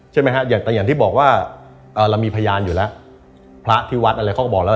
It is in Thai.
ใช่ไหมฮะอย่างแต่อย่างที่บอกว่าเอ่อเรามีพยานอยู่แล้วพระที่วัดอะไรเขาก็บอกแล้ว